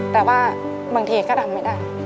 แต่ว่าบางทีก็ทำไม่ได้